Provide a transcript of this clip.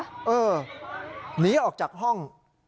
หนีออกจากห้อง